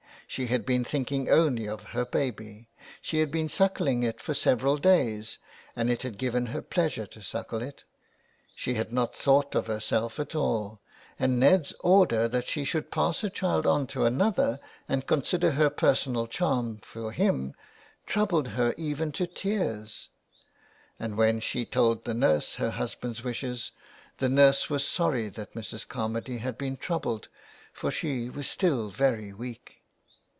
She had been thinking only of her baby, she had been suckling it for several days, and it had given her pleasure to suckle it. She had not thought of herself at all, and Ned's order that she should pass her child on to another, and consider her personal charm for him, troubled her even to tears ; and when she told the nurse her husband's wishes the nurse was sorry that Mrs. Carmady had been troubled, for she was still very weak.